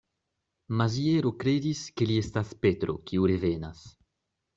Maziero kredis, ke li estas Petro, kiu revenas.